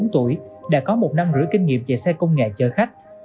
hai mươi bốn tuổi đã có một năm rưỡi kinh nghiệm về xe công nghệ chờ khách